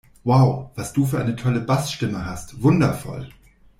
Wow, was du für eine tolle Bassstimme hast! Wundervoll!